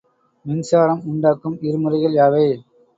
மின்சாரம் உண்டாக்கும் இருமுறைகள் யாவை?